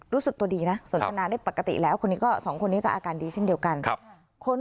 รู้สึกตัวดีนะสวนธนาได้ปกติและอาการดีเหมือนกัน